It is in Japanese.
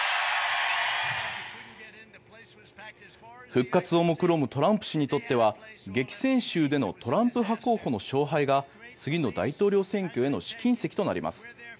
復活をもくろむトランプ氏にとっては激戦州でのトランプ派候補の勝敗が次の大統領選挙への試金石となります。